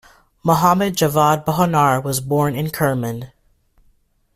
Mohammad Javad Bahonar was born in Kerman.